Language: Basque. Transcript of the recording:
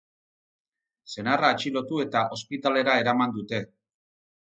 Senarra atxilotu eta ospitalera eraman dute.